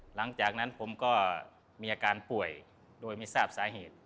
หลังจากนั้นผมก็มีอาการป่วยโดยไม่ทราบสาเหตุ